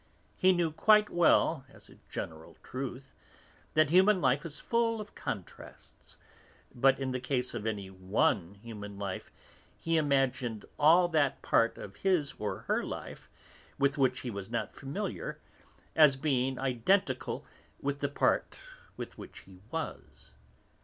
He knew quite well as a general truth, that human life is full of contrasts, but in the case of any one human being he imagined all that part of his or her life with which he was not familiar as being identical with the part with which he was.